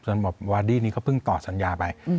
สำหรับวาดี้นี่ก็เพิ่งตอบสัญญาไป